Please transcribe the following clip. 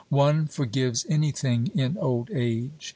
One forgives anything in old age.